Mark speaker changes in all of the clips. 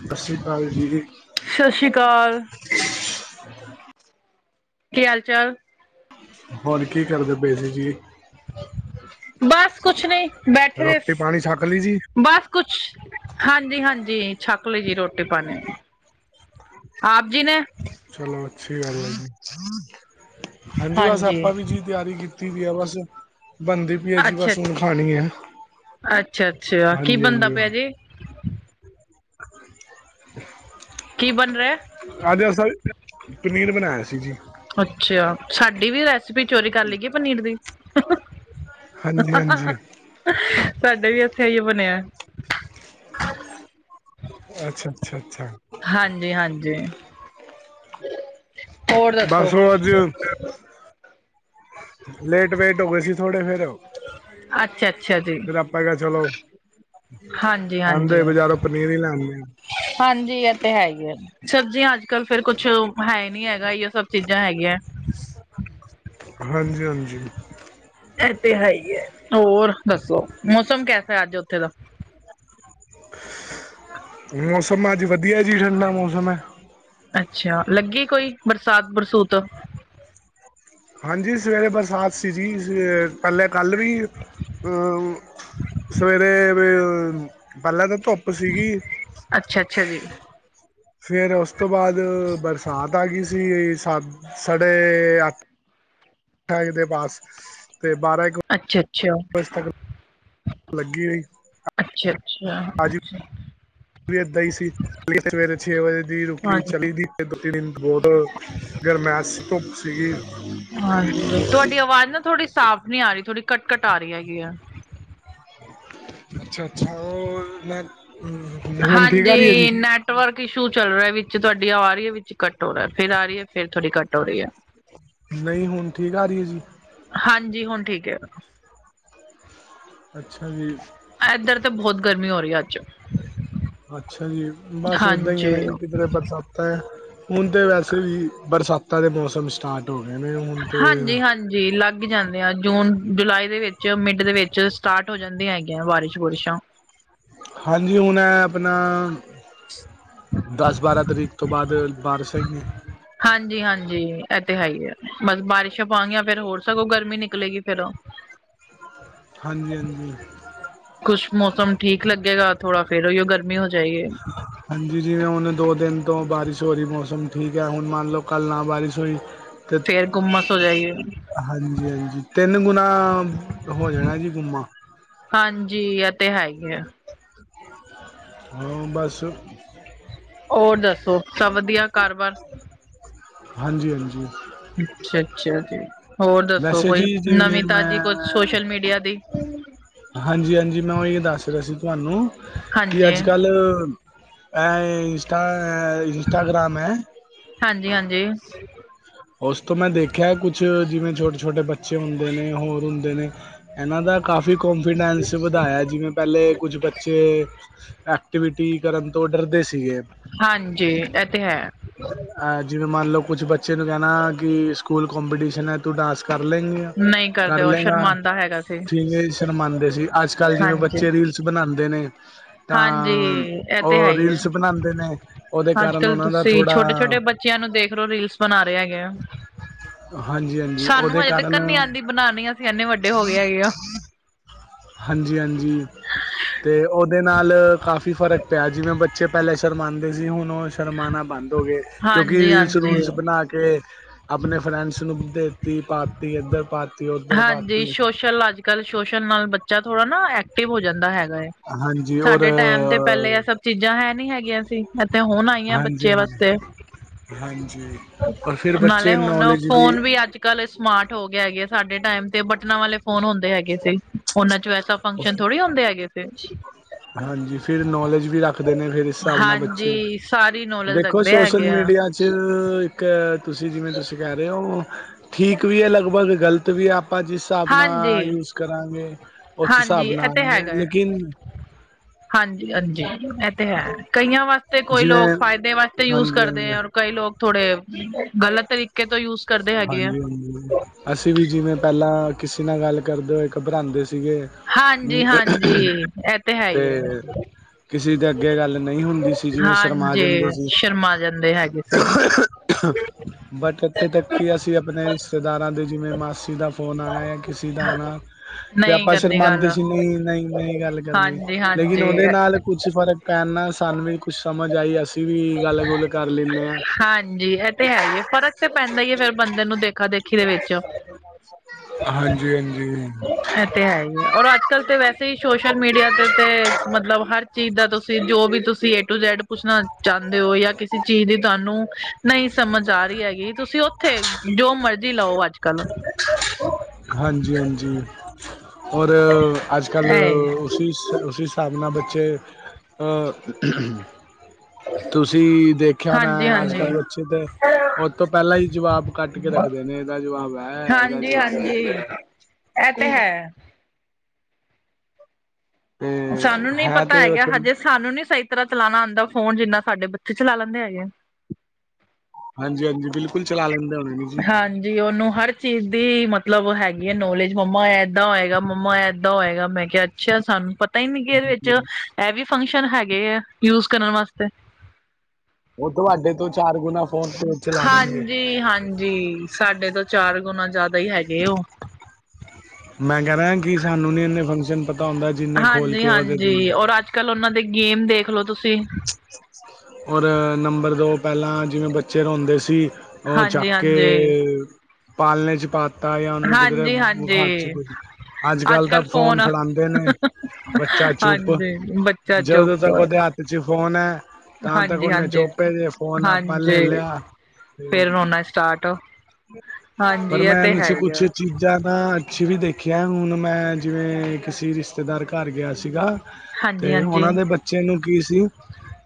Speaker 1: ਸਤਿ ਸ਼੍ਰੀ ਅਕਾਲ ਜੀ।
Speaker 2: ਸਤਿ ਸ਼੍ਰੀ ਅਕਾਲ। ਕੀ ਹਾਲ ਚਾਲ।
Speaker 1: ਹੋਰ ਕੀ ਕਰਦੇ ਪਏ ਸੀ ਜੀ?
Speaker 2: ਬਸ, ਕੁਛ ਨਹੀਂ ਬੈਠੇਦੇ
Speaker 1: ਰੋਟੀ
Speaker 2: ਸ
Speaker 1: ਪਾਣੀ ਛਕ ਲਈ ਜੀ
Speaker 2: ਬਸ ਕੁਛ, ਹਾਂਜੀ-ਹਾਂਜੀ, ਛੱਕ ਲਈ ਏ ਰੋਟੀ ਪਾਣੀ ਆਪ ਜੀ ਨੇ?
Speaker 1: ਚਲੋ ਅੱਛੀ ਗੱਲ ਐ, ਹਾਂਜੀ ਬਸ ਆਪਾਂ ਵੀ ਜੀ ਤਿਆਰੀ ਕੀਤੀ ਦੀ ਆ ਬਸ ਬੰਦੇ ਏ ਜੀ
Speaker 2: ਅੱਛਾ
Speaker 1: ਬਸ ਹੁਣ ਖਾਣੀ ਐ,
Speaker 2: ਅੱਛਾ ਅੱਛਾ ਕੀ ਬਣਦਾ
Speaker 1: ਹਾਂਜੀ-ਹਾਂਜੀ।
Speaker 2: ਪਿਆ ਜੀ ਕੀ ਬਣ ਰਿਹਾ?
Speaker 1: ਅੱਜ, ਅਸਲ ਪਨੀਰ ਬਣਾਇਆ ਸੀ ਜੀ।
Speaker 2: ਅੱਛਾ, ਸਾਡੀ ਵੀ ਰੈਸਿਪੀ, ਚੋਰੀ ਕਰ ਲਈ ਗਈ ਪਨੀਰ ਦੀ।
Speaker 1: ਹਾਂਜੀ
Speaker 2: ਆਹ ਆਹ,
Speaker 1: ਹਾਂਜੀ
Speaker 2: ਸਾਡੇ ਵੀ ਇੱਥੇ ਹੀ ਬਣਿਆ
Speaker 1: ਅੱਛਾ, ਅੱਛਾ, ਅੱਛਾ।
Speaker 2: ਹਾਂਜੀ-ਹਾਂਜੀ ਹੋਰ ਦੱਸੋ?
Speaker 1: ਬਸ ਉਹ ਅੱਜ ਲੇਟ ਵੈਟ ਹੋ ਗਏ ਸੀ, ਥੋੜੇ ਫੇਰ
Speaker 2: ਅੱਛਾ ਅੱਛਾ ਜੀ
Speaker 1: ਫਿਰ, ਆਪਾਂ ਕ ਚਲੋ
Speaker 2: ਹਾਂਜੀ ਹਾਂਜੀ
Speaker 1: ਆਂਦੇ, ਬਜਾਰੋਂ ਪਨੀਰ, ਹੀ ਲੈ ਆਂਦੇ?
Speaker 2: ਹਾਂਜੀ, ਇਹ ਤਾਂ ਹੈ ਏ ਸਬਜ਼ੀਆਂ ਅੱਜ ਕੱਲ, ਫੇਰ ਕੁੱਛ ਹੈ ਨੀ ਹੈਗਾ, ਸਬ ਹੋਰ, ਚੀਜ਼ਾਂ ਹੈਗੀਆਂ
Speaker 1: ਹਾਂਜੀ-ਹਾਂਜੀ।
Speaker 2: ਐਹ ਤੇ, ਹੈ ਹੀ ਏ ਹੋਰ ਦੱਸੋ, ਮੌਸਮ ਕੈਸਾ ਅੱਜ ਉੱਥੇ ਦਾ?
Speaker 1: ਮੌਸਮ, ਅੱਜ ਵਧੀਆ ਜੀ, ਠੰਡਾ ਮੌਸਮ ਹੈ।
Speaker 2: ਅੱਛਾ, ਲੱਗੀ ਕੋਈ ਬਰਸਾਤ-ਬਰਸੂਤ
Speaker 1: ਹਾਂਜੀ, ਸਵੇਰੇ ਬਰਸਾਤ ਸੀ ਜੀ, ਪਹਿਲੇ ਕੱਲ੍ਹ ਵੀ ਸਵੇਰੇ, ਪਹਿਲਾਂ ਤਾਂ ਧੁੱਪ ਸੀ।
Speaker 2: ਅੱਛਾ-ਅੱਛਾ ਜੀ।
Speaker 1: ਫੇਰ ਉਸ ਤੋਂ ਬਾਅਦ, ਬਰਸਾਤ ਆ ਗਈ ਸੀ ਸਤ, ਸਾਡੇ ਅਠ ਏਦੇ ਪਾਸ ਤੇ ਬਾਰਾਂ, ਏਕ
Speaker 2: ਅੱਛਾ-ਅੱਛਾ।
Speaker 1: [inaudible] ਲੱਗੀ ਰਹੀ,
Speaker 2: ਅੱਛਾ-ਅੱਛਾ-ਅੱਛਾ [inaudible]
Speaker 1: ਪ੍ਰੀਤ ਇੱਥੇ ਹੀ ਸੀ, ਪ੍ਰੀਤ ਨੇ ਸਵੇਰੇ ਛੇ ਵਜੇ ਦੀ ਭੁੱਖੀ
Speaker 2: ਹਾਂਜੀ।
Speaker 1: ਚਲੀ ਦੀ ਗਈ, ਦੂਜੇ ਦਿਨ ਬਹੁਤ ਗ੍ਰਮੇਸ ਸੀ, ਧੁੱਪ
Speaker 2: ਹਾਂਜੀ
Speaker 1: ਸੀ।
Speaker 2: ਤੁਹਾਡੀ ਆਵਾਜ਼ ਨਾ, ਥੋੜੀ ਸਾਫ਼ ਹੁਣੇ ਆ ਰਹੀ ਹੈ, ਥੋੜੀ ਕਟ-ਕਟ ਆ ਰਹੀ ਹੈਗੀ, ਆ
Speaker 1: ਅੱਛਾ-ਅੱਛਾ ਉਹ ਮੈਂ, ਹੁਣ ਠੀਕ ਆ, ਰਹੀ ਹੈ ਜੀ।
Speaker 2: ਹਾਂਜੀ ਨੈਟਵਰਕ, ਇਸ਼ੂ ਚੱਲ ਰਿਹਾ ਹੈ, ਵਿੱਚ ਤੁਹਾਡੀ ਆ ਰਹੀ ਹੈ, ਵਿੱਚ ਕੱਟ ਹੋ ਰਿਹਾ, ਫੇਰ ਆ ਰਹੀ ਹੈ, ਫੇਰ ਤੁਹਾਡੀ ਘੱਟ, ਹੋ ਰਹੀ ਹੈ।
Speaker 1: ਨਹੀਂ, ਹੁਣ ਠੀਕ ਆ ਰਹੀ ਜੀ।
Speaker 2: ਹਾਂਜੀ, ਹੁਣ ਠੀਕ ਏ।
Speaker 1: ਅੱਛਾ, ਜੀ।
Speaker 2: ਏਧਰ ਤੇ, ਬਹੁਤ ਗਰਮੀ ਹੋ ਰਹੀ ਅੱਜ
Speaker 1: ਅੱਛਾ ਜੀ ਬਸ ਉਦਾਂ ਹੀ ਆ ਨਾ
Speaker 2: ਹਾਂਜੀ
Speaker 1: ਜੀ ਕਿਧਰੇ ਬਸ ਤਾਂ ਹੁਣ ਤਾਂ ਵੈਸੇ ਵੀ ਬਰਸਾਤਾਂ ਦੇ ਮੌਸਮ ਸਟਾਰਟ ਹੋ ਗਏ ਨੇ ਹੁਣ ਤਾਂ
Speaker 2: ਹਾਂਜੀ ਲੱਗ ਜਾਂਦੇ ਆ, ਜੂਨ ਜੁਲਾਈ ਦੇ ਵਿੱਚ ਚ ਮਿੰਡ ਦੇ ਵਿੱਚ ਸਟਾਰਟ ਹੋ ਜਾਂਦੀਆਂ ਹੈਗੀਆਂ, ਬਾਰਿਸ਼ ਬਾਰਿਸ਼ਾਂ
Speaker 1: ਹਾਂਜੀ ਹੁਣ ਹੈ, ਆਪਣਾ ਦਸ ਬਾਰਾਂ ਤਰੀਕ ਤੋਂ ਬਾਅਦ ਬਾਰਸਾਂ ਹੀ ਨੇ,
Speaker 2: ਹਾਂਜੀ-ਹਾਂਜੀ ਇਥੇ ਹੈ ਹੀ ਹੈ, ਬਸ ਬਾਰਿਸ਼ਾਂ ਪਾਾਂਗੀਆਂ ਫੇਰ ਹੋਰ ਸਗੋਂ ਗਰਮੀ ਨਿਕਲੇਗੀ ਫੇਰ
Speaker 1: ਹਾਂਜੀ-ਹਾਂਜੀ,
Speaker 2: ਕੁਛ ਮੌਸਮ ਠੀਕ ਲੱਗੇਗਾ, ਥੋੜਾ ਫੇਰ ਉਹ ਉਹ ਗਰਮੀ ਹੋ ਜਾਏਗੀ।
Speaker 1: ਹਾਂਜੀ ਜਿਵੇਂ, ਹੁਣ ਦੋ ਦਿਨ ਤੋਂ ਬਾਰਿਸ਼ ਹੋ ਰਹੀ ਮੌਸਮ ਠੀਕ ਹੈ, ਹੁਣ ਮੰਨ ਲੋਓ ਕੱਲ ਨਾ ਬਾਰਿਸ਼ ਹੋਈ।
Speaker 2: ਫੇਰ ਗੁੰਮਸ ਹੋ ਜਾਏਗੀ।
Speaker 1: ਹਾਂਜੀ-ਹਾਂਜੀ, ਤਿੰਨ ਗੁਣਾ ਹੋ ਜਾਣਾ ਜੀ ਗੁੰਮਾ
Speaker 2: ਹਾਂਜੀ, ਇਹ ਤੇ ਹੈ ਹੀ ਆ।
Speaker 1: ਹਾਂ ਬਸ
Speaker 2: ਹੋਰ ਦੱਸੋ ਸਭ ਵਧੀਆ ਘਰਬਾਰ?
Speaker 1: ਹਾਂਜੀ, ਹਾਂਜੀ,
Speaker 2: ਅੱਛਾ, ਅੱਛਾ ਜੀ ਹੋਰ ਦੱਸੋ
Speaker 1: ਵੈਸੇ
Speaker 2: ਕੋਈ
Speaker 1: ਜੀ ਜਿਵੇਂ
Speaker 2: ਨਵੀਂ-ਤਾਜ਼ੀ
Speaker 1: ਮੈਂ
Speaker 2: ਕੁਛ? ਸੋਸ਼ਲ ਮੀਡੀਆ ਦੀ
Speaker 1: ਹਾਂਜੀ, ਹਾਂਜੀ ਮੈਂ ਓਈ ਦੱਸ ਰਿਹਾ ਸੀ ਤੁਹਾਨੂੰ ਕਿ ਅੱਜ-ਕੱਲ ਇੰਸਟਾ ਇੰਸਟਾਗ੍ਰਾਮ ਐ
Speaker 2: ਹਾਂਜੀ, ਹਾਂਜੀ,
Speaker 1: ਉਸ ਤੋਂ ਮੈਂ ਦੇਖਿਆ ਕੁਛ ਜਿਵੇਂ ਛੋਟੇ, ਛੋਟੇ ਬੱਚੇ ਹੁੰਦੇ ਨੇ ਹੋਰ ਹੁੰਦੇ ਨੇ ਇਹਨਾਂ ਦਾ ਕਾਫੀ ਕੋਂਨਫੀਡੈਂਸ ਵਧਾਇਆ ਜਿਵੇਂ ਪਹਿਲੇ ਕੁਝ ਬੱਚੇ ਐਕਟੀਵਿਟੀ ਕਰਨ ਤੋਂ ਡਰਦੇ ਸੀਗੇ।
Speaker 2: ਹਾਂਜੀ, ਏਅ ਤੇ ਹੈ।
Speaker 1: ਤੇ ਅ ਜਿਵੇਂ ਮੰਨ ਲਓ ਕੁਛ ਬੱਚੇ ਰੋਜਾਨਾ ਕਿ ਸਕੂਲ ਕਪੀਟੀਸ਼ਨ ਐ ਤੂੰ ਡਾਂਸ ਕਰ ਲੈਂਗੀ, ਆ
Speaker 2: ਨਹੀਂ ਕਰਦੇ
Speaker 1: ਕਰ
Speaker 2: ਉਹ
Speaker 1: ਲੈਂਗਾ
Speaker 2: ਸ਼ਰਮਾਂਦਾ ਹੈਗਾ ਸੀ
Speaker 1: ਠੀਕ ਸ਼ਨਮਾਦੇ ਸੀ ਅੱਛ ਅੱਜ-ਕੱਲ੍ਹ ਜਿਵੇਂ
Speaker 2: ਹਾਂਜੀ
Speaker 1: ਬੱਚੇ ਰੀਲਸ ਬਣਾਦੇ ਨੇ
Speaker 2: ਹਾਂਜੀ
Speaker 1: ਤਾਂ
Speaker 2: ਇਹ ਤੇ ਹੈ
Speaker 1: ਉਹ
Speaker 2: ਹੀ ਹੈ
Speaker 1: ਰੀਲਸ ਬਣਾਦੇ ਨੇ ਉਹਦੇ
Speaker 2: ਅੱਜ
Speaker 1: ਕਾਰਨ
Speaker 2: ਕੱਲ
Speaker 1: ਉਹਨਾਂ ਦਾ
Speaker 2: ਤੁਸੀਂ ਛੋਟੇ
Speaker 1: ਥੋੜ੍ਹਾ
Speaker 2: ਛੋਟੇ ਬੱਚਿਆਂ ਨੂੰ ਦੇਖ ਲੋ ਰੀਲਸ ਬਣਾ ਰਿਹਾ ਹੈਗੇ ਆ।
Speaker 1: ਹਾਂਜੀ ਹਾਂਜੀ
Speaker 2: ਸਾਨੂੰ
Speaker 1: ਉਹਦੇ
Speaker 2: ਹਜੇ ਤੱਕ
Speaker 1: ਕਾਰਨ
Speaker 2: ਨੀ ਆਂਦੀ ਹੈਗੀ। ਬਣਾਨੀ ਅਸੀਂ ਇਨੇ ਵੱਡੇ ਹੋ ਗਏ ਹੈਗੇ ਆ।
Speaker 1: ਹਾਂਜੀ, ਹਾਂਜੀ ਤੇ ਓਦੇ ਨਾਲ ਕਾਫੀ ਫ਼ਰਕ ਪਿਆ ਜਿਵੇਂ, ਬੱਚੇ ਪਹਿਲੇ ਸ਼ਰਮਾਦੇ ਸੀ ਹੁਨ ਓ ਸ਼ਰਮਾਣਾ ਬੰਦ ਹੋ ਗਏ ਕਿਉਂਕਿ
Speaker 2: ਹਾਂਜੀ
Speaker 1: ਰੀਲਸ
Speaker 2: ਹਾਂਜੀ
Speaker 1: ਰੂਲਸ ਬਣਾ ਕੇ ਕੇ ਆਪਣੇ ਫਰੈਂਡਸ ਨੂੰ ਦੇਤੀ ਪਾਤੀ ਇੱਧਰ ਪਾ
Speaker 2: ਹਾਂਜੀ ਸੋਸ਼ਲ ਅੱਜ-ਕੱਲ੍ਹ ਸੋਸ਼ਲ ਨਾਲ ਬੱਚਾ ਥੋੜ੍ਹਾ ਨਾ ਐਕਟਿਵ ਹੋ ਜਾਂਦਾ ਹੈਗਾ।
Speaker 1: ਹਾਂਜੀ ਔਰ
Speaker 2: ਸਾਡੇ ਟਾਈਮ ਤੇ ਪਹਿਲੇ ਇਹ ਸਭ ਚੀਜ਼ਾਂ ਹੈ ਨੀ ਹੈਗੀਆਂ ਸੀ। ਇੱਥੇ ਹੁਣ ਆਈਆਂ
Speaker 1: ਹਾਂਜੀ
Speaker 2: ਬੱਚੇ ਬਸ
Speaker 1: ਹਾਂਜੀ ਹਾਂਜੀ ਪਰ ਫਿਰ
Speaker 2: ਨਾਲੇ
Speaker 1: ਬੱਚੇ
Speaker 2: ਹੁਣ
Speaker 1: ਨੌਲੇਜ
Speaker 2: ਫੋਨ ਵੀ ਅੱਜ ਅ ਕੱਲ ਸਮਾਰਟ ਹੋ ਗਿਆ ਹੈਗੇ। ਸਾਡੇ ਟਾਈਮ ਤੇ ਬਟਨਾਂ ਵਾਲੇ ਫੋਨ ਹੁੰਦੇ ਹੈਗੇ ਸੀ। ਉਹਨਾਂ ਚ ਵੈਸਾ ਫੰਕਸ਼ਨ ਥੋੜ੍ਹੀ ਹੁੰਦੇ ਹੈਗੇ ਫਿਰ
Speaker 1: ਹਾਂਜੀ ਫਿਰ ਨੌਲੇਜ ਵੀ ਰੱਖਦੇ ਨੇ। ਫਿਰ ਇਸ ਹਿਸਾਬ ਨਾਲ ਬੱਚੇ
Speaker 2: ਹਾਂਜੀ ਸਾਰੀ ਨੌਲੇਜ
Speaker 1: ਦੇਖੋ
Speaker 2: ਰੱਖਦੇ
Speaker 1: ਸੋਸ਼ਲ
Speaker 2: ਹੈਗੇ ਆ
Speaker 1: ਮੀਡੀਆ ਇੱਕ ਤੁਸੀਂ ਜਿਵੇਂ ਤੁਸੀਂ ਕਹਿ ਰਹੇ ਹੋ ਠੀਕ ਵੀ ਐ ਲਗਭਗ ਗਲ ਗਲਤ ਵੀ ਆਪਾਂ ਜਿਸ ਹਿਸਾਬ ਨਾਲ
Speaker 2: ਹਾਂਜੀ
Speaker 1: ਯੂਜ ਕਰਾਂਗੇ। ਉਸ
Speaker 2: ਹਾਂਜੀ
Speaker 1: ਹਿਸਾਬ
Speaker 2: ਇਹ
Speaker 1: ਨਾਲ
Speaker 2: ਤੇ
Speaker 1: ਆਂਏ
Speaker 2: ਹੈਗਾ ਆ
Speaker 1: ਲੇਕਿਨ
Speaker 2: ਹਾਂਜੀ, ਹਾਂਜੀ ਇਹ ਤੇ ਹੈ। ਕਈਆਂ ਵਾਸਤੇ ਕੋਈ
Speaker 1: ਜਿਵੇਂ
Speaker 2: ਲੋਕ ਫਾਇਦੇ ਵਾਸਤੇ ਯੂਜ
Speaker 1: ਹਾਂਜੀ ਹਾਂਜੀ
Speaker 2: ਕਰਦੇ ਆਰ ਕਈ ਲੋਕ ਥੋੜੇ ਗਲਤ ਤਰੀਕੇ ਤੋਂ ਯੂਜ ਕਰਦੇ ਹੈਗੇ ਆ
Speaker 1: ਹਾਂਜੀ, ਹਾਂਜੀ ਅਸੀਂ ਵੀ ਜਿਵੇਂ, ਪਹਿਲਾਂ ਕਿਸੇ ਨਾਲ ਗੱਲ ਕਰਦੇ ਹੋਏ ਘਬਰਾਉਂਦੇ ਸੀਗੇ। ਅਮ,
Speaker 2: ਹਾਂਜੀ, ਹਾਂਜੀ ਐ ਤੇ ਹੈ ਹੀ ਆ।
Speaker 1: ਕਿਸੇ ਦੇ ਅੱਗੇ ਗੱਲ ਨਹੀਂ ਹੁੰਦੀ ਸੀ ਜਿਵੇਂ, ਸ਼ਰਮਾ
Speaker 2: ਹਾਂਜੀ
Speaker 1: ਜਾਂਦੇ ਸੀ।
Speaker 2: ਸ਼ਰਮਾ ਜਾਂਦੇ ਹੈਗੇ ਸੀ
Speaker 1: ਬਟ ਇੱਥੇ ਤੱਕ ਕਿ ਅਸੀਂ ਆਪਨੇ ਰਿਸ਼ਤੇਦਾਰਾਂ ਦੇ ਜਿਵੇਂ, ਮਾਸੀ ਦਾ ਫੋਨ ਆਣਾ ਜਾਂ ਕਿਸੇ ਦਾ ਆਣਾ ਤੇ
Speaker 2: ਨਹੀਂ
Speaker 1: ਆਪਾਂ
Speaker 2: ਕਰਨੀ
Speaker 1: ਸ਼ਰਮਾਦੇ
Speaker 2: ਗੱਲ
Speaker 1: ਸੀ ਨਈ, ਨਈ, ਨਈ ਗੱਲ ਕਰਨੀ,
Speaker 2: ਹਾਂਜੀ
Speaker 1: ਲੇਕਿਨ
Speaker 2: ਹਾਂਜੀ
Speaker 1: ਓਦੇ ਨਾਲ ਕੁੱਛ ਫਰਕ ਪੈਣ ਨਾਲ ਸਾਨੂੰ ਵੀ ਕੁਛ ਸਮਝ ਆਈ ਅਸੀਂ ਵੀ ਗੱਲ ਗੁਲ ਕਰ ਲੈਂਨੇ ਆ।
Speaker 2: ਹਾਂਜੀ ਤੇ ਹੈ ਹੀ ਫਰਕ ਤਾਂ ਪੈਂਦਾ ਈ ਏ ਫੇਰ ਬੰਦੇ ਨੂੰ ਦੇਖਾ ਦੇਖੀ ਦੇ ਵਿੱਚ।
Speaker 1: ਹਾਂਜੀ, ਹਾਂਜੀ
Speaker 2: ਤੇ ਹੈ ਹੀ ਹੈ ਔਰ ਅੱਜ-ਕੱਲ੍ਹ ਤਾਂ ਵੈਸੇ ਹੀ ਸੋਸ਼ਲ ਮੀਡੀਆ ਤੇ ਤੇ ਮਤਲਬ ਹਰ ਚੀਜ਼ ਦਾ ਤੁਸੀਂ ਜੋ ਵੀ ਤੁਸੀਂ ਟੂ ਜੈਡ ਪੁੱਛਣਾ ਚਾਂਦੇ ਓ ਜਾਂ ਕਿਸੇ ਚੀਜ਼ ਦੀ ਤੁਹਾਨੂੰ ਨਈ ਸਮਝ ਆ ਰਹੀ ਹੈਗੀ ਤੁਸੀਂ ਉੱਥੇ ਜੋ ਮਰਜੀ ਲਓ ਅੱਜ-ਕੱਲ
Speaker 1: ਹਾਂਜੀ, ਹਾਂਜੀ ਔਰ, ਅੱਜ-ਕੱਲ
Speaker 2: ਇਹ
Speaker 1: ਉਸ ਹਿਸਾਬ ਨਾਲ ਬ ਅੱਜ, ਤੁਸੀਂ ਦੇਖਿਆ ‌ਨਾ
Speaker 2: ਹਾਂਜੀ
Speaker 1: ਅੱਜ
Speaker 2: ਹਾਂਜੀ
Speaker 1: ਕੱਲ ਵੱਚ ਤੇ ਓਤੋ ਤੋਂ ਪਹਿਲਾਂ ਈ ਜਵਾਬ ਕੱਡ ਕੇ ਰੱਖਦੇ ਨੇ ਇਹਦਾ ਜਵਾਬ ਐ, ਇਹਦਾ ਜਵਾਬ ਐ।
Speaker 2: ਐ ਤੇ ਹੈ।
Speaker 1: ਤੇ
Speaker 2: ਸਾਨੂੰ ਨੀ
Speaker 1: ਹੈ
Speaker 2: ਪਤਾ
Speaker 1: ਤੇ
Speaker 2: ਹੈਗਾ ਹਜੇ। ਸਾਨੂੰ ਨੀ ਸਹੀ ਤਰ੍ਹਾਂ ਚਲਾਣਾ ਆਦਾ ਫੋਨ, ਜਿੰਨਾ ਸਾਡੇ ਬੱਚੇ ਚਲਾ ਲੈਂਦੇ ਹੈਗੇ।
Speaker 1: ਹਾਂਜੀ ਹਾਂਜੀ ਬਿਲਕੁਲ ਚਲਾ ਲੈਂਦੇ ਹੋਣੇ ਜੀ
Speaker 2: ਹਾਂਜੀ ਜੀ ਉਹਨੂੰ ਹਰ ਚੀਜ਼ ਦੀ ਮਤਲਬ ਹੈਗੀ ਹੈ ਨੌਲੇਜ ਮੰਮਾ ਏਦਾਂ ਹੋਏਗਾ ਮੰਮਾ ਏਦਾਂ ਹੋਏਗਾ ਮੈਂ ਕਿਹਾ ਅੱਛਾ ਸਾਨੂੰ ਪਤਾ ਹੀ ਨੀ ਕਿ ਇਹਦੇ ਵਿੱਚ ਇਹ ਵੀ ਫੰਕਸ਼ਨ ਹੈਗੇ ਆ ਯੂਜ ਕਰਨ ਵਾਸਤੇ
Speaker 1: ਓ ਤੁਹਾਡੇ ਤੋਂ ਚਾਰ ਗੁਣਾ ਫੋਨ ਤੇ ਚਲਾ ਦੇਣਗੇ
Speaker 2: ਹਾਂਜੀ ਹਾਂਜੀ ਸਾਡੇ ਤੋਂ ਚਾਰ ਗੁਣਾ ਜ਼ਿਆਦਾ ਹੀ ਹੈਗੇ ਉਹ
Speaker 1: ਮੈਂ ਕਹਿ ਰਿਹਾ ਕਿ ਸਾਨੂੰ ਨੀ ਇੰਨੇ ਫੰਕਸ਼ਨ ਪਤਾ ਹੁੰਦਾ ਜਿੰਨੇ ਖੋਲ
Speaker 2: ਹਾਂਜੀ
Speaker 1: ਕੇ ਉਹਦੇ
Speaker 2: ਹਾਂਜੀ
Speaker 1: ਦਿੰਦੇ
Speaker 2: ਔਰ ਅੱਜ ਕੱਲ੍ਹ ਉਹਨਾਂ ਦੇ ਗੇਮ ਦੇਖਲੋ ਤੁਸੀਂ
Speaker 1: ਔਰ ਨੰਬਰ ਦੋ ਪਹਿਲਾਂ ਜਿਵੇਂ ਬੱਚੇ ਰਾਉਦੇ ਸੀ ਉਹ ਚ
Speaker 2: ਹਾਂਜੀ
Speaker 1: ਕੇ
Speaker 2: ਹਾਂਜੀ
Speaker 1: ਪਾਲਣੇ ਚ ਪਾ ਤਾ ਜਾਂ ਉਹਨੂੰ ਕਿਧਰੇ
Speaker 2: ਹਾਂਜੀ
Speaker 1: ਚ
Speaker 2: ਹਾਂਜੀ
Speaker 1: ਕੁ ਅੱਜ ਕੱਲ ਤਾਂ ਫੋਨ ਫੜਾਂਦੇ ਨੇ ਬੱਚਾ ਚੁੱਪ
Speaker 2: ਹਾਂਜੀ ਬੱਚਾ
Speaker 1: ਜਦੋਂ
Speaker 2: ਚੁੱਪ
Speaker 1: ਤੱਕ ਉਹਦੇ ਹੱਥ ਚ ਫੋਨ ਹੈ ਤਾਂ ਤ
Speaker 2: ਹਾਂਜੀ
Speaker 1: ਉਹਨੇ
Speaker 2: ਹਾਂਜੀ
Speaker 1: ਚੋਪੇ ਦੇ ਫੋਨ ਆਪਾਂ ਲੈ
Speaker 2: ਹਾਂਜੀ
Speaker 1: ਲਿਆ
Speaker 2: ਫੇਰ ਰੋਣਾ ਸਟਾਰਟ
Speaker 1: ਪਰ
Speaker 2: ਹਾਂਜੀ ਇਹ
Speaker 1: ਮੈਂ
Speaker 2: ਤੇ
Speaker 1: ਚ
Speaker 2: ਹੈ ਹੀ
Speaker 1: ਕੁਛ
Speaker 2: ਆ
Speaker 1: ਚੀਜ਼ ਜ਼ਿਆਦਾ ਅੱਛੀ ਵੀ ਦੇਖਿਆ ਹੁਣ ਮੈਂ ਜਿਵੇਂ ਕਿਸੇ ਰਿਸ਼ਤੇਦਾਰ ਘਰ ਗਿਆ ਸੀਗਾ
Speaker 2: ਹਾਂਜੀ
Speaker 1: ਤੇ
Speaker 2: ਹਾਂਜੀ
Speaker 1: ਉਹਨਾਂ ਦੇ ਬੱਚੇ ਨੂੰ ਕੀ ਸੀ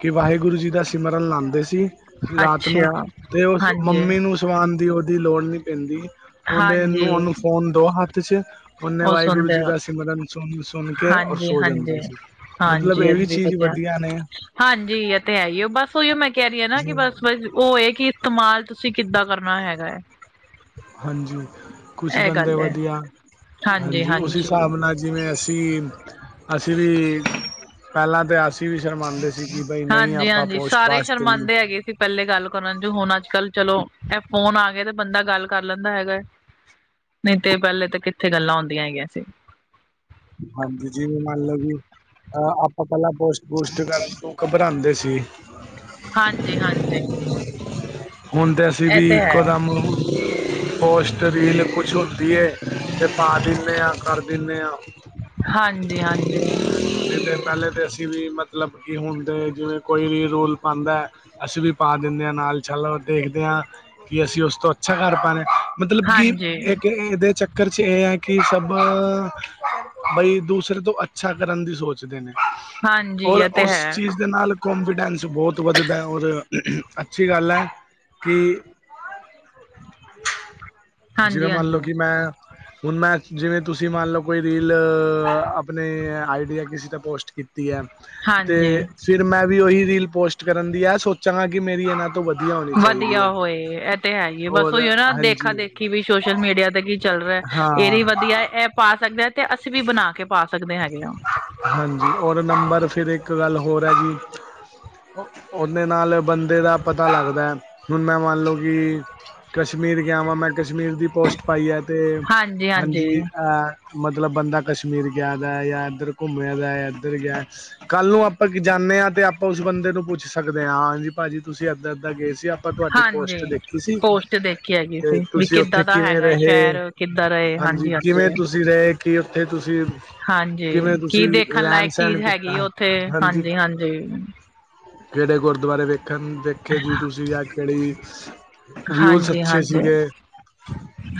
Speaker 1: ਕਿ ਵਾਹਿਗੁਰੂ ਜੀ ਦਾ ਸਿਮਰਨ ਲਾਉਂਦੇ ਸੀ ਰਾਤ ਨੂੰ
Speaker 2: ਅੱਛਾ
Speaker 1: ਤੇ ਉਸ
Speaker 2: ਹਾਂਜੀ
Speaker 1: ਮੰਮੀ ਨੂੰ ਸਵਾਉਣ ਦੀ ਉਹਦੀ ਲੋੜ ਨੀ ਪੈਂਦੀ ਉਹਦੇ
Speaker 2: ਹਾਂਜੀ
Speaker 1: ਉਹਨੂੰ ਫੋਨ ਦ ਹੱਥ ਚ ਉਹਨੇ
Speaker 2: ਉਹ
Speaker 1: ਵਾਹਿਗੁਰੂ
Speaker 2: ਸੁਣਦੇ
Speaker 1: ਜੀ
Speaker 2: ਹੋ।
Speaker 1: ਦਾ ਸਿਮਰਨ ਸੁਣ ਸੁਣ ਕੇ ਔਰ
Speaker 2: ਹਾਂਜੀ
Speaker 1: ਸੋ ਜਾਂਦਾ
Speaker 2: ਹਾਂਜੀ
Speaker 1: ਸੀ ਮਤਲਬ ਇਹ ਵੀ ਚੀਜ਼ ਵਧੀਆ ਨੇ
Speaker 2: ਹਾਂਜੀ ਆ ਤੇ ਹੈ ਹੀ ਬਸ ਉਹੀ ਮੈਂ ਕਹਿ ਰਹੀ ਹਾਂ ਨਾ ਕਿ
Speaker 1: ਜੀ
Speaker 2: ਬਸ ਉਹ ਹੈ ਕਿ ਇਸਤੇਮਾਲ ਤੁਸੀਂ ਕਿੱਦਾਂ ਕਰਨਾ ਹੈਗਾ ਹੈ
Speaker 1: ਹਾਂਜੀ ਕੁਛ
Speaker 2: ਇਹ
Speaker 1: ਬੰਦੇ
Speaker 2: ਗੱਲ ਹੈ
Speaker 1: ਵਧੀਆ ਹਾਂਜੀ ਉਸ ਹਿਸਾਬ ਨਾਲ ਜਿਵੇਂ ਅਸੀਂ ਅਸੀਂ ਵੀ ਪਹਿਲਾਂ ਤਾਂ ਅਸੀਂ ਵੀ ਸ਼ਰਮਾਉਂਦੇ ਸੀ ਕਿ ਬਈ ਨਹੀਂ
Speaker 2: ਹਾਂਜੀ
Speaker 1: ਆਪਾਂ
Speaker 2: ਹਾਂਜੀ
Speaker 1: ਪੋਸਟ
Speaker 2: ਸਾਰੇ ਹੀ
Speaker 1: ਪਾਸਟ ਨਹੀਂ
Speaker 2: ਸ਼ਰਮਾਉਂਦੇ ਹੈਗੇ ਸੀ ਪਹਿਲੇ ਗੱਲ ਕਰਨ ਜੋ ਹੁਣ ਅੱਜ ਕੱਲ ਚਲੋ ਇਹ ਫੋਨ ਆ ਗਿਆਏ ਤੇ ਬੰਦਾ ਗੱਲ ਕਰ ਲੈਂਦਾ ਹੈਗਾ ਹੈ ਨਹੀਂ ਤੇ ਪਹਿਲੇ ਤਾਂ ਕਿੱਥੇ ਗੱਲਾਂ ਹੁੰਦੀਆ ਹੈਗੀਆਂ ਸੀ
Speaker 1: ਹਾਂਜੀ ਜੀਵੇ ਮੰਨ ਲਓ ਕਿ ਅ ਆਪਾਂ ਪਹਿਲਾ ਪੋਸਟ ਪੋਸਟ ਕਰਕੇ ਘਬਰਾਉਂਦੇ ਸੀ
Speaker 2: ਹਾਂਜੀ ਹਾਂਜੀ
Speaker 1: ਹੁਣ ਤੇ ਅਸੀਂ
Speaker 2: ਇਹ
Speaker 1: ਵੀ
Speaker 2: ਤੇ
Speaker 1: ਇੱਕ
Speaker 2: ਹੈ
Speaker 1: ਦਮ ਪੋਸਟ ਰੀਲ ਕੁਛ ਹੁੰਦੀ ਹੈ ਤੇ ਪਾ ਦਿੰਦੇ ਹਾਂ ਕਰ ਦਿੰਦੇ ਹਾਂ
Speaker 2: ਹਾਂਜੀ ਹਾਂਜੀ
Speaker 1: ਨਹੀਂ ਤੇ ਪਹਲੇ ਤੇ ਜੀ ਮੱਤਲਬ ਕੀ ਹੁੰਦੇ ਜਿਵੇਂ ਕੋਈ ਵੀ ਰੂਲ ਪਾਉਂਦਾ ਅਸੀਂ ਵੀ ਪਾ ਦਿੰਦੇ ਹਾਂ ਨਾਲ ਚਲੋ ਦੇਖਦੇ ਹਾਂ ਕਿ ਅਸੀਂ ਉਸ ਤੋਂ ਅੱਛਾ ਕਰ ਪਾਂਦੇ ਮੱਤਲਬ ਕਿ
Speaker 2: ਹਾਂਜੀ
Speaker 1: ਇਹ ਇਹਦੇ ਚੱ ਚੱਕਰ ਚ ਇਹ ਹੈ ਕਿ ਸੱਭ ਬਈ ਦੂਸਰੇ ਤੋਂ ਅੱਛਾ ਕਰਨ ਦੀ ਸੋਚਦੇ ਨੇ
Speaker 2: ਹਾਂਜੀ
Speaker 1: ਔਰ
Speaker 2: ਇਹ ਤੇ
Speaker 1: ਉਸ
Speaker 2: ਹੈ
Speaker 1: ਚੀਜ਼ ਦੇ ਨਾਲ ਕੋਂਨਫੀਡੈਂਸ ਬਹੁੱਤ ਵੱਧਦਾ ਔਰ ਅੱਛਾ ਅੱਛੀ ਗੱਲ ਹੈ ਕੀ ਜਿਵੇਂ
Speaker 2: ਹਾਂਜੀ
Speaker 1: ਮੰਨ ਲਓ
Speaker 2: ਹਾਂਜੀ
Speaker 1: ਕਿ ਮੈਂ ਹੁਣ ਮੈਂ ਜਿਵੇਂ ਤੁਸੀਂ ਮੰਨ ਲਓ ਕੋਈ ਰੀਲ ਆਪਣੇ ਆਈਡੀਆ ਕਿਸੇ ' ਪੋਸਟ ਕੀਤੀ ਹੈ ਤੇ
Speaker 2: ਹਾਂਜੀ
Speaker 1: ਫਿਰ ਮੈਂ ਵੀ ਉਹੀ ਰੀਲ ਪੋਸਟ ਕਰਨ ਦੀ ਹੈ ਸੋਚਾਂਗਾ ਕਿ ਮੇਰੀ ਇਹਨਾਂ ਤੋਂ ਵਧੀਆ ਚਾਹੀਦੀ
Speaker 2: ਵਧੀਆ
Speaker 1: ਹੈ
Speaker 2: ਹੋਏ ਇਹ ਤੇ ਹੈਈ ਏ ਬਸ
Speaker 1: ਹੋਰ
Speaker 2: ਉਹੀਓ ਨਾ ਦੇਖਾ
Speaker 1: ਹਾਂਜੀ
Speaker 2: ਦੇਖੀ ਅਸੀਂ ਵੀ ਸੋਸ਼ਲ ਮੀਡੀਆ ਤੇ ਕੀ ਚੱਲ ਰਿਹਾ
Speaker 1: ਹਾਂ
Speaker 2: ਇਹ ਵੀ ਵਧੀਆ ਇਹ ਪਾ ਸਕਦਾ ਤੇ ਅਸੀਂ ਵੀ ਬਣਾ ਕੇ ਪਾ ਸਕਦੇ ਹੈਗੇ ਹਾਂ
Speaker 1: ਹਾਂਜੀ ਔਰ ਨੰਬਰ ਫਿਰ ਇੱਕ ਗੱਲ ਹੋਰ ਹੈ ਜੀ ਉਹਦੇ ਨਾਲ ਬੰਦੇ ਦਾ ਪਤਾ ਲੱਗਦਾ ਹੁਣ ਮੈਂ ਮੰਨ ਲਓ ਕਿ ਕਸ਼ਮੀਰ ਗਿਆ ਵਾਂ ਮੈਂ ਕਸ਼ਮੀਰ ਦੀ ਪੋਸਟ ਪਾਈ ਹੈ ਤੇ ਹਾਂਜੀ, ਇਹ ਮੱਤਲਬ ਬੰਦਾ ਕਸ਼ਮੀਰ ਗਿਆ। ਮੈਂ ਗਿਆ ਜਾਂ ਇੱਧਰ ਘੁੰਮਿਆ, ਜਾਂ ਇੱਧਰ ਗਿਆ। ਕੱਲ ਨੂੰ ਆਪਾਂ ਜਾਂਦੇ ਹਾਂ। ਅਤੇ ਆਪਾਂ ਉਸ ਬੰਦੇ ਨੂੰ ਪੁੱਛ ਸਕਦੇ ਹਾਂ, ਹਾਂਜੀ ਭਾਜੀ ਤੁਸੀਂ ਇੱਦਾਂ- ਇੱਦਾਂ ਗਏ ਸੀ ਆਪ। ਆਪਾਂ ਤੁਹਾਡੀ
Speaker 2: ਹਾਂਜੀ
Speaker 1: ਪੋਸਟ ਦੇਖੀ ਸੀ।
Speaker 2: ਪੋਸਟ ਦੇਖੀ ਹੈਗੀ
Speaker 1: ਤੇ
Speaker 2: ਸੀ ਵੀ
Speaker 1: ਤੁਸੀਂ ਉੱਥੇ
Speaker 2: ਕਿੱਦਾਂ ਦਾ
Speaker 1: ਕਿਵੇਂ
Speaker 2: ਹੈਗਾ
Speaker 1: ਰਹੇ।
Speaker 2: ਸ਼ਹਿਰ ਕਿੱਦਾਂ ਦਾ ਏ।
Speaker 1: ਹਾਂਜੀ, ਕਿਵੇਂ ਤੁਸੀਂ ਰਹੇ। ਕੀ ਉੱਥੇ ਤੁਸੀਂ।
Speaker 2: ਹਾਂਜੀ
Speaker 1: ਕਿਵੇਂ ਤੁਸੀਂ
Speaker 2: ਕੀ ਦੇਖਣ
Speaker 1: ਰਹਿਣ
Speaker 2: ਲਾਇਕ
Speaker 1: ਸਹਿਣ
Speaker 2: ਚੀਜ਼ ਹੈਗੀ
Speaker 1: ਕੀਤਾ
Speaker 2: ਉੱਥੇ
Speaker 1: ਹਾਂਜੀ ਕਿਹੜੇ ਗੁਰੂਦੁਆਰੇ ਵੇਖਣ ਵੇਖੇ ਦੀ ਤੁਸੀਂ ਆ ਕਿਹੜੀ ਵਿਊਜ਼
Speaker 2: ਹਾਂਜੀ
Speaker 1: ਅੱਛੇ
Speaker 2: ਹਾਂਜੀ
Speaker 1: ਸੀਗੇ।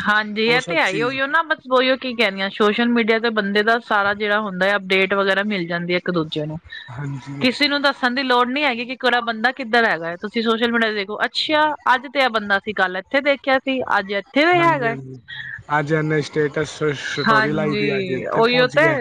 Speaker 2: ਹਾਂਜੀ,
Speaker 1: ਉਹ
Speaker 2: ਇਹ
Speaker 1: ਸਭ
Speaker 2: ਤੇ ਆਈ
Speaker 1: ਚੀਜ਼
Speaker 2: ਈਓ ਨਾ ਬੱਚ ਉਹੀਓ ਕੀ ਕਹਦੀਆਂ ਸੋਸ਼ਲ ਮੀਡੀਆ ਤੇ ਬੰਦੇ ਦਾ ਸਾਰਾ ਜਿਹੜਾ ਹੁੰਦਾ ਹੈ। ਅਪਡੇਟ ਵਗੈਰਾ ਮਿਲ ਜਾਂਦੀ ਹੈ ਇੱਕ ਦੂਜੇ ਨੂੰ।
Speaker 1: ਹਾਂਜੀ
Speaker 2: ਕਿਸੇ ਨੂੰ ਦੱਸਣ। ਦੱਸਣ ਦੀ ਲੋੜ ਨਹੀਂ ਹੈਗੀ। ਕੀ ਕਿਹੜਾ ਬੰਦਾ ਕਿੱਧਰ ਹੈਗਾ, ਤੁਸੀਂ ਸੋਸ਼ਲ ਮੀਡੀਆ ਦੇਖੋ ਅੱਛਾ ਅੱਜ ਤੇ ਇਹ ਬੰਦਾ ਸੀ ਗੱਲ। ਇੱਥੇ ਦੇਖਿਆ ਸੀ ਅੱਜ। ਇੱਥੇ ਵੀ
Speaker 1: ਹਾਂਜੀ-
Speaker 2: ਹੈਗਾ
Speaker 1: ਹਾਂਜੀ। ਅੱਜ ਇਨੇ ਸਟੇਟਸ ਸਟੋਰੀ ਲਾਈ ਦੀ। ਅੱਜ
Speaker 2: ਹਾਂਜੀ
Speaker 1: ਇੱਥੇ
Speaker 2: ਉਹੀਓ
Speaker 1: ਪਹੁੰਚ
Speaker 2: ਤੇ
Speaker 1: ਗਿਆ।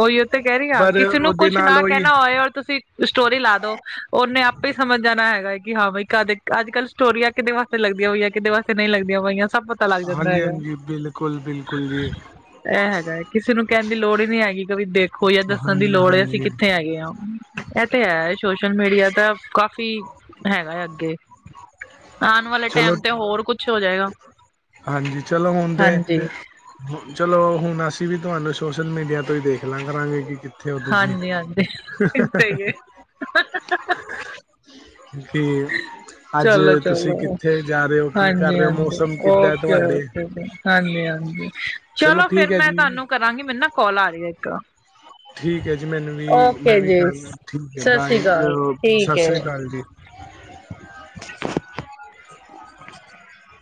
Speaker 2: ਉਹੀਓ ਤੇ ਕਹਿ ਰਹੀ ਹਾਂ। ਕਿਸੇ ਨੂੰ ਕੁੱਛ ਨਾ ਕਹਿਣਾ ਹੋਏ, ਔਰ ਤੁਸੀਂ। ਸਟੋਰੀ ਲਾ ਦੋ। ਉਹਨੇ ਆਪੇ ਹੀ ਸਮਂਝ ਜਾਣਾ ਹੈਗਾ। ਹੈ ਕਿ ਹਾਂ ਬਾਈ ਕਦੇ ਅੱਜ ਕੱਲ। ਸਟੋਰੀਆਂ ਕਿਹਦੇ ਵਾਸਤੇ ਲੱਗਦੀਆਂ ਹੋਈਆਂ। ਕਿਹਦੇ ਵਾਸਤੇ ਨਹੀਂ ਲੱਗਦੀ ਹੋਈਆਂ। ਸੱਬ ਪਤਾ ਲੱਗ ਜਾਂਦਾ
Speaker 1: ਹਾਂਜੀ
Speaker 2: ਹੈਗਾ।
Speaker 1: ਹਾਂਜੀ ਬਿਲਕੁਲ ਬਿਲਕੁਲ ਜੀ
Speaker 2: ਇਹ ਹੈਗਾ। ਕਿਸੇ ਨੂੰ ਕਹਿਣ ਦੀ ਲੋੜ ਹੀ ਨਹੀਂ ਹੈਗੀ। ਕਦੀ ਦੇਖੋ ਜਾਂ ਦੱਸਣ ਦੀ
Speaker 1: ਹਾਂਜੀ
Speaker 2: ਲੋੜ ਹੈ ਅਸੀਂ
Speaker 1: ਹਾਂਜੀ
Speaker 2: ਕਿੱਥੇ ਹੈਗੇ ਹੈ। ਇਹ ਤੇ ਹੈ। ਸੋਸ਼ਲ ਮੀਡੀਆ ਤਾਂ ਕਾਫ਼ੀ ਹੈਗਾ ਹੈ ਅੱਗੇ। ਆਉਣ ਵਾਲੇ
Speaker 1: ਚਲੋ
Speaker 2: ਟਾਈਮ ਤੇ, ਹੋਰ ਕੁੱਛ ਹੋ ਜਾਏਗਾ।
Speaker 1: ਹਾਂਜੀ, ਚਲੋ ਹੁਣ ਤੇ
Speaker 2: ਹਾਂਜੀ,
Speaker 1: ਚਲੋ ਹੁਣ ਅਸੀਂ ਵੀ, ਤੁਹਾਨੂੰ ਸੋਸ਼ਲ ਮੀਡੀਆ ਤੋਂ ਹੀ ਦੇਖ ਲਾਂਰਾ ਕੀ। ਕਿੱਥੇ ਹੋ ਤੁਸੀਂ।
Speaker 2: ਹਾਂਜੀ, ਹਾਂਜੀ ਸਹੀ ਹੈ
Speaker 1: ਕਿ ਅੱਜ
Speaker 2: ਚਲੋ,
Speaker 1: ਤੁਸੀਂ
Speaker 2: ਚਲੋ।
Speaker 1: ਕਿੱਥੇ ਜਾ ਰਹੇ ਹੋ, ਕੀ ਕਰ
Speaker 2: ਹਾਂਜੀ,
Speaker 1: ਰਹੇ ਹੋ
Speaker 2: ਹਾਂਜੀ
Speaker 1: ਮੌਸਂਮ।
Speaker 2: Okay, okay. ਹਾਂਜੀ- ਹਾਂਜੀ ਚਲੋ ਫੇਰ
Speaker 1: ਠੀਕ ਹੈ
Speaker 2: ਮੈਂ
Speaker 1: ਜੀ
Speaker 2: ਤੁਹਾਨੂੰ ਕਰਾਂਗੀ। ਕਰਾਂਗੀ ਮੈਨੂੰ ਨਾ ਕੋਲ ਆ ਰਹੀ ਹੈ ਇੱਕ।
Speaker 1: ਠੀਕ ਹੈ ਜੀ ਮੈਨੂੰ ਵੀ ਮੈਂ
Speaker 2: ਓਕੇ
Speaker 1: ਵੀ
Speaker 2: ਜੀ
Speaker 1: ਕਰਨ ਠੀਕ ਹੈ
Speaker 2: ਸਤਿ ਸ੍ਰੀ
Speaker 1: ਬਾਏ
Speaker 2: ਅਕਾਲ
Speaker 1: ਸਤਿ
Speaker 2: ਠੀਕ ਹੈ।
Speaker 1: ਸ੍ਰੀ ਅਕਾਲ ਜੀ।
Speaker 2: [unintelligible]